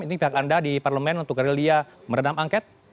ini pihak anda di parlemen untuk relia meredam angket